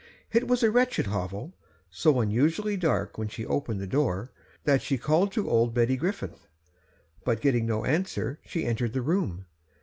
It was a wretched hovel; so unusually dark when she opened the door, that she called to old Betty Griffith, but getting no answer she entered the room.